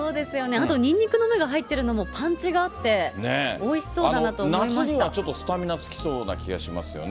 あとにんにくの芽が入ってるのも、パンチがあ夏にはちょっとスタミナつきそうな気がしますよね。